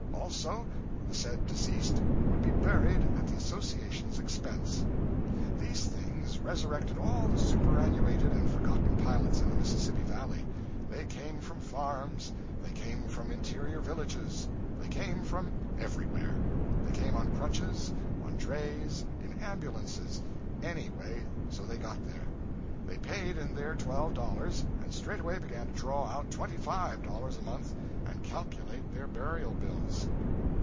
Also, the said deceased would be buried at the association's expense. These things resurrected all the superannuated and forgotten pilots in the Mississippi Valley. They came from farms, they came from interior villages, they came from everywhere. They came on crutches, on drays, in ambulances, any way, so they got there. They paid in their twelve dollars, and straightway began to draw out twenty five dollars a month, and calculate their burial bills.